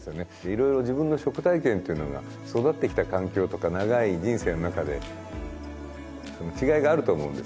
色々自分の食体験っていうのが育ってきた環境とか長い人生の中で違いがあると思うんですよね